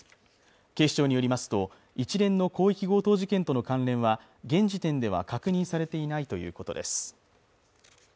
警視庁によりますと一連の広域強盗事件との関連は現時点では確認されていないということです